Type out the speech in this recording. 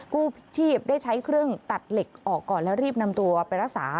กู้ชีพได้ใช้เครื่องตัดเหล็กออกก่อนแล้วรีบนำตัวไปรักษา